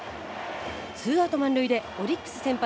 ツーアウト、満塁でオリックス先発